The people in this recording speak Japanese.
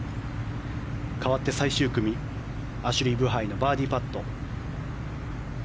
かわって最終組アシュリー・ブハイのバーディーパット。